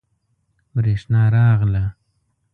بریښنا راغله